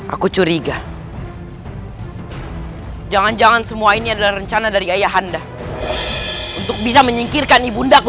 aku curiga jangan jangan semua ini adalah rencana dari ayahanda untuk bisa menyingkirkan ibunda aku